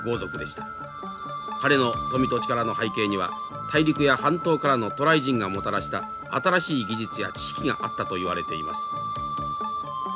彼の富と力の背景には大陸や半島からの渡来人がもたらした新しい技術や知識があったといわれています。